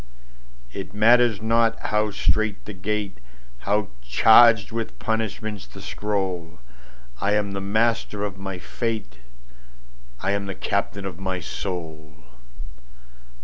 It matters not how strait the gate, How charged with punishments the scroll,I am the master of my fate:I am the captain of my soul.